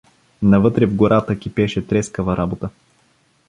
Навътре в гората кипеше трескава работа.